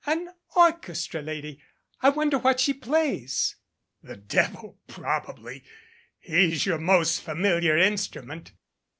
"An orchestra lady! I wonder what she plays ' "The devil probably he's your most familiar instru ment."